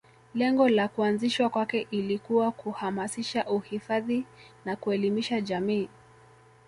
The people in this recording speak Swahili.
Lengo la kuanzishwa kwake ilikuwa kuhamasisha uhifadhi na kuelimisha jamii